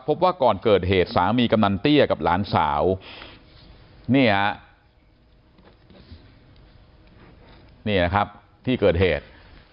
พบว่าก่อนเกิดเหตุสามีกำนันเตี้ยกับหลานสาวนี่ฮะนี่นะครับที่เกิดเหตุ